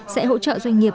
sẽ hỗ trợ doanh nghiệp